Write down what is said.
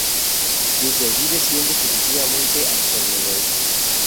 Desde allí desciende suavemente hacia el noroeste.